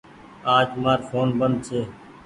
آج مآر ڦون بند ڇي